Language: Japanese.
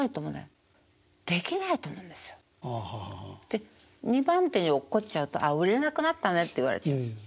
で２番手に落っこっちゃうとああ売れなくなったねって言われちゃうんですよ。